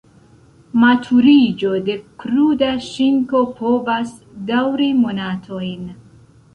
Maturiĝo de kruda ŝinko povas daŭri monatojn.